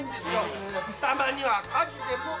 たまには火事でも。